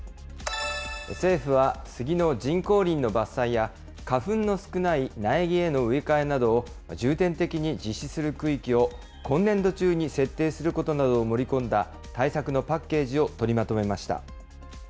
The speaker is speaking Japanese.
政府はスギの人工林の伐採や、花粉の少ない苗木への植え替えなどを重点的に実施する区域を今年度中に設定することなどを盛り込んだ、対策のパッケージを取りまとめました。